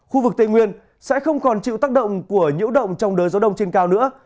khu vực tây nguyên sẽ không còn chịu tác động của nhiễu động trong đời gió đông trên cao nữa